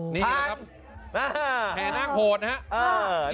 นี่แห่นาคโหดนะครับ